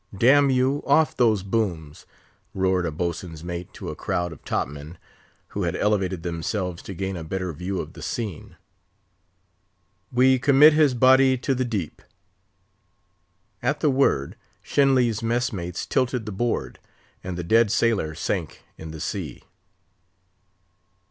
"Damn you! off those booms!" roared a boatswain's mate to a crowd of top men, who had elevated themselves to gain a better view of the scene. "We commit this body to the deep!" At the word, Shenly's mess mates tilted the board, and the dead sailor sank in the sea.